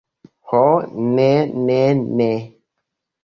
Ho, ne, ne, ne!